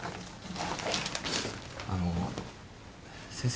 あの先生